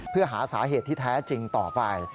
เพื่อหาสาเหตุที่แท้จริงต่อไป